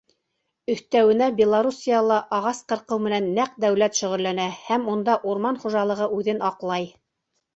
Өҫтәүенә Белоруссияла ағас ҡырҡыу менән нәҡ дәүләт шөғөлләнә һәм унда урман хужалығы үҙен аҡлай.